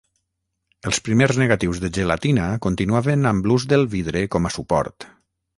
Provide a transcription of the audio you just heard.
Els primers negatius de gelatina continuaven amb l'ús del vidre com a suport.